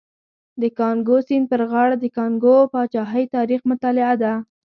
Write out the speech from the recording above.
د کانګو سیند پر غاړه د کانګو پاچاهۍ تاریخ مطالعه ده.